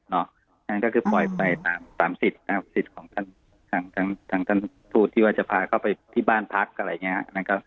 นั่นก็คือปล่อยไปตามสิทธิ์ของท่านอุปทธูตที่ว่าจะพาเข้าไปที่บ้านพักอะไรอย่างนี้